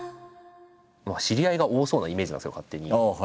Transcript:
知り合いが多そうなイメージなんですけど勝手に。